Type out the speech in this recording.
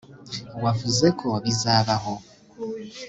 wavuze ko bizabaho